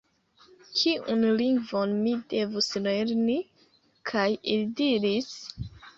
Kiun lingvon mi devus lerni? kaj ili diris: